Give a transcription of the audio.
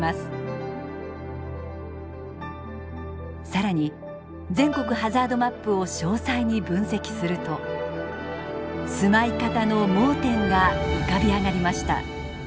更に全国ハザードマップを詳細に分析すると住まい方の盲点が浮かび上がりました。